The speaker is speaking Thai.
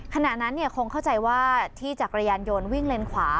ขณะนั้นคงเข้าใจว่าที่จักรยานยนต์วิ่งเลนขวา